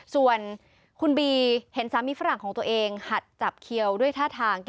ส่วนคุณบีเห็นสามีฝรั่งของตัวเองหัดจับเขียวด้วยท่าทาง